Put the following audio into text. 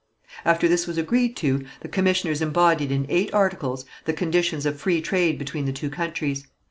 After this was agreed to, the commissioners embodied in eight articles the conditions of free trade between the two countries.